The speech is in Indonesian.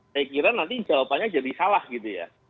saya kira nanti jawabannya jadi salah gitu ya